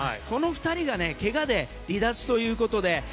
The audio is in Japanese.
この２人がけがで離脱ということで。